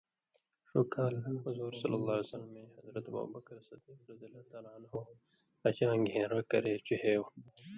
ݜُو کال حضورؐ اے حضرت ابو بکر صدیقؓ حَجاں گھېن٘رو کرے ڇِہېو